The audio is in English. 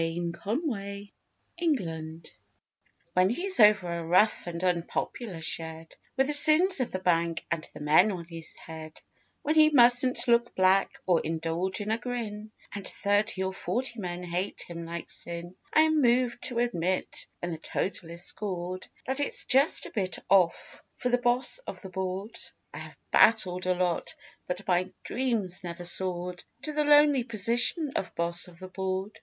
THE BOSS OVER THE BOARD When he's over a rough and unpopular shed, With the sins of the bank and the men on his head; When he musn't look black or indulge in a grin, And thirty or forty men hate him like Sin I am moved to admit when the total is scored That it's just a bit off for the Boss of the board. I have battled a lot, But my dream's never soared To the lonely position of Boss of the board.